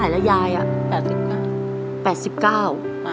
อายุเท่าไรก็ยายอ่ะ